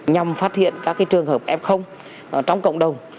nhằm phát hiện các trường hợp f trong cộng đồng